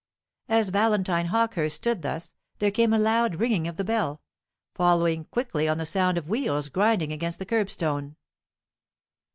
As Valentine Hawkehurst stood thus, there came a loud ringing of the bell, following quickly on the sound of wheels grinding against the kerbstone.